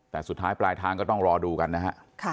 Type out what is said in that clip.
แต่สุดท้ายปลายทางก็ต้องรอดูกันนะฮะ